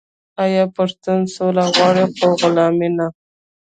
آیا پښتون سوله غواړي خو غلامي نه؟